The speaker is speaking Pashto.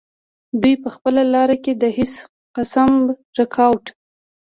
دوي پۀ خپله لاره کښې د هيڅ قسم رکاوټ